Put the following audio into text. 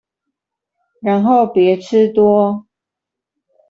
然後別吃多